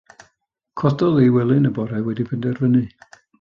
Cododd o'i wely yn y bore wedi penderfynu.